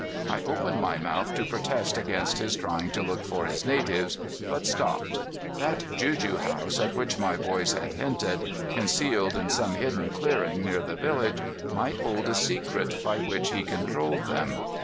I opened my mouth to protest against his trying to look for his natives, but stopped. That juju house at which my boys had hinted, concealed in some hidden clearing near the village, might hold a secret by which he controlled them.